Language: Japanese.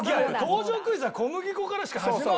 工場クイズは小麦粉からしか始まらないからさ。